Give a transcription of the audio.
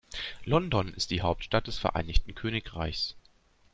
London ist die Hauptstadt des Vereinigten Königreichs.